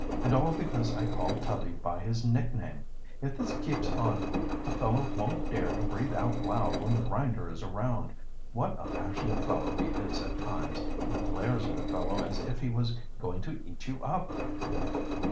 And all because I called Tubby by his nickname! If this keeps on a fellow won't dare to breathe out loud when Grinder is around. What a passionate fellow he is at times! He glares at a fellow as if he was going to eat you up!"